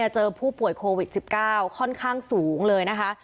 เจอผู้ป่วยโควิด๑๙ค่อนข้างสูงเลยนะคะ